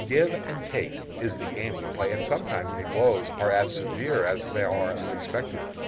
"Give and take" is the game we play, and sometimes the blows are as severe as they are unexpected.